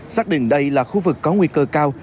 xác định đây là khu vực có nguy cơ cao